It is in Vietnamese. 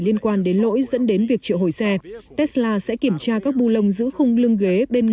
liên quan đến lỗi dẫn đến việc triệu hồi xe tesla sẽ kiểm tra các bu lông giữ khung lưng ghế